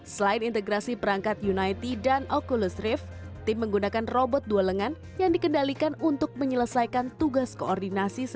selain integrasi perangkat unity dan oculus rift tim menggunakan robot dua lengan yang dikendalikan untuk menyelesaikan tugas koordinasi